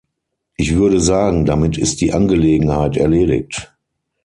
Ich würde sagen, damit ist die Angelegenheit erledigt.